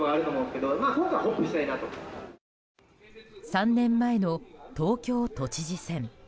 ３年前の東京都知事選。